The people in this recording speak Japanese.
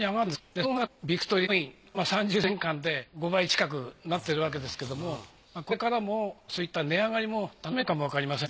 そのなかでもヴィクトリアコイン３０年間で５倍近くなっているわけですけどもこれからもそういった値上がりも楽しめるかもわかりません。